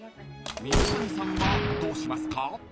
［水谷さんはどうしますか？］